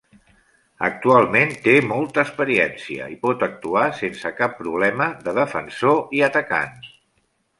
Actualment té molta experiència i pot actuar sense cap problema de defensor i atacant.